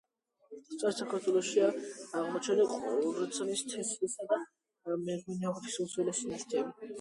სწორედ საქართველოშია აღმოჩენილი ყურძნის თესლისა და მეღვინეობის უძველესი ნაშთები.